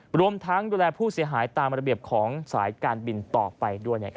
รวมทั้งดูแลผู้เสียหายตามระเบียบของสายการบินต่อไปด้วย